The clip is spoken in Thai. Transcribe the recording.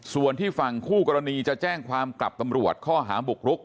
ส่วนที่ฝั่งคู่กรณีจะแจ้งความกลับตำรวจข้อหาบุกรุก